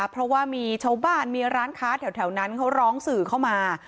เพราะว่ามีชาวบ้านมีร้านค้าแถวนั้นเขาร้องสื่อเข้ามา